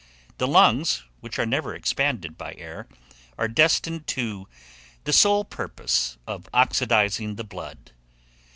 The lungs, which are never expanded by air, are destined to the sole purpose of oxidizing the blood.